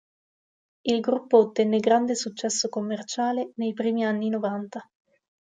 Il gruppo ottenne grande successo commerciale nei primi anni novanta.